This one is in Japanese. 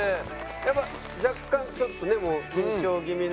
やっぱ若干ちょっと緊張気味。